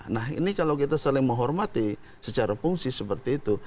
nah ini kalau kita saling menghormati secara fungsi seperti itu